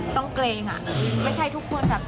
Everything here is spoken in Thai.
เกรงอ่ะไม่ใช่ทุกคนแบบ